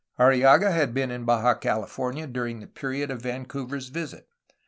Arrillaga had been in Baja California during the period of Vancouver's visit.